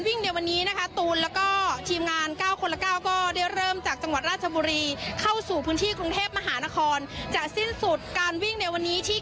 พื้นที่กรุงเทพมหานครจะสิ้นสุดการวิ่งในวันนี้ที่